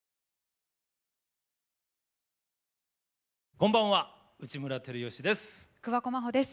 こんばんは内村光良です。